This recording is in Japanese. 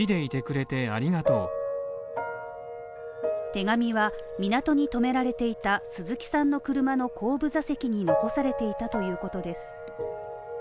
手紙は港にとめられていた鈴木さんの車の後部座席に残されていたということです